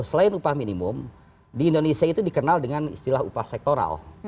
selain upah minimum di indonesia itu dikenal dengan istilah upah sektoral